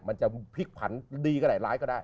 มันจะพลิกผันดีก็ได้ร้ายก็ได้